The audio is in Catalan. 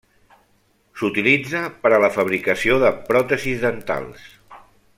S'utilitza per a la fabricació de pròtesis dentals.